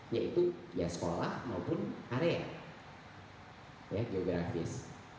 yaitu sekolah maupun area geografis